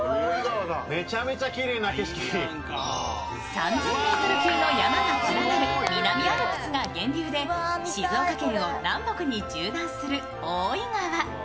３０００ｍ級の山が連なる南アルプスが源流で静岡県を南北に縦断する大井川。